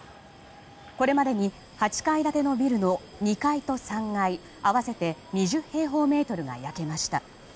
これまでに８階建てのビルの２階と３階合わせて２０平方メートルが焼けました。